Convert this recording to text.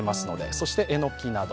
そして、えのきなど。